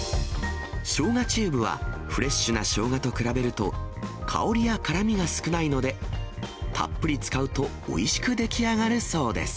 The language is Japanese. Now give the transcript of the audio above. しょうがチューブは、フレッシュなしょうがと比べると、香りや辛みが少ないので、たっぷり使うとおいしく出来上がるそうです。